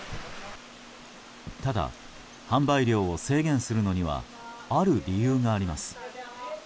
ただ、販売量を制限するのにはある理由があります。